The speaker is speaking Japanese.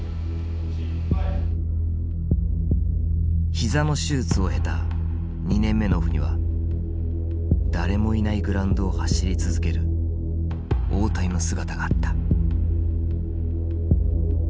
膝の手術を経た２年目のオフには誰もいないグラウンドを走り続ける大谷の姿があった。